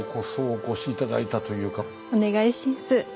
お願いしんす。